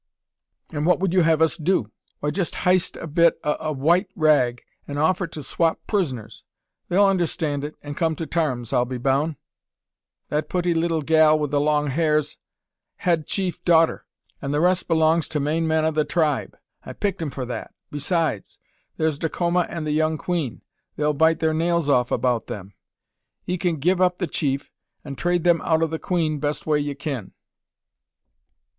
"And what would you have us do?" "Why, jest heist a bit o' a white rag an' offer to swop pris'ners. They'll understan' it, and come to tarms, I'll be boun'. That putty leetle gal with the long har's head chief's darter, an' the rest belongs to main men o' the tribe: I picked 'em for that. Besides, thur's Dacoma an' the young queen. They'll bite thur nails off about them. 'Ee kin give up the chief, and trade them out o' the queen best way ye kin."